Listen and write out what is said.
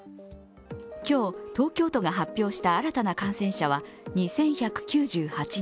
今日、東京都が発表した新たな感染者は２１９８人。